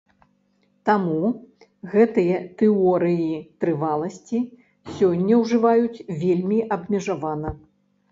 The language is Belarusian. Таму гэтыя тэорыі трываласці сёння ўжываюць вельмі абмежавана.